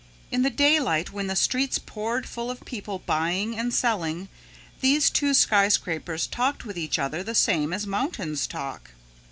In the daylight when the streets poured full of people buying and selling, these two skyscrapers talked with each other the same as mountains talk.